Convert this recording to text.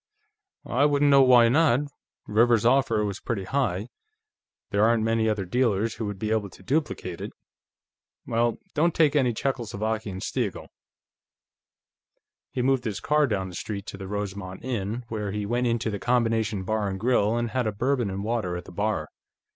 "I wouldn't know why not. Rivers's offer was pretty high; there aren't many other dealers who would be able to duplicate it.... Well, don't take any Czechoslovakian Stiegel." He moved his car down the street to the Rosemont Inn, where he went into the combination bar and grill and had a Bourbon and water at the bar.